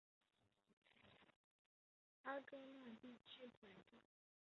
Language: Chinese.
阿戈讷地区普雷特。